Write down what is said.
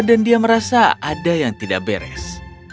dan dia merasa ada yang tidak beres